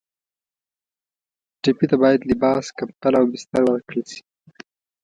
ټپي ته باید لباس، کمپله او بستر ورکړل شي.